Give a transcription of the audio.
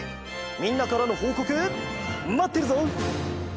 みんなからのほうこくまってるぞ！